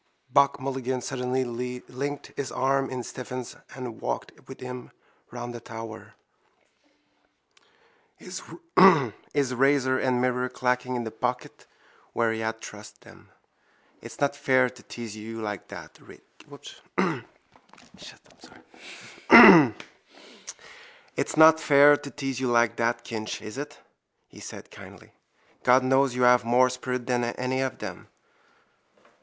Buck Mulligan suddenly linked his arm in Stephen's and walked with him round the tower, his razor and mirror clacking in the pocket where he had thrust them. —It's not fair to tease you like that, Kinch, is it? he said kindly. God knows you have more spirit than any of them.